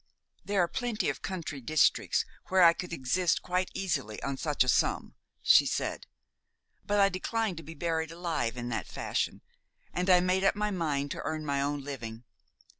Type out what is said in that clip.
"There are plenty of country districts where I could exist quite easily on such a sum," she said; "but I declined to be buried alive in that fashion, and I made up my mind to earn my own living.